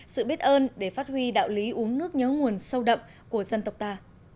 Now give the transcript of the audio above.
sự biết ơn để phát huy đạo lý uống nước nhớ nguồn sâu đậm của dân tộc ta